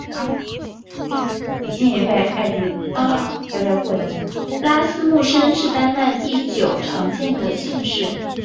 拉斯穆森是丹麦第九常见的姓氏。